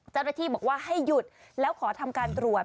เจ้าหน้าที่บอกว่าให้หยุดแล้วขอทำการตรวจ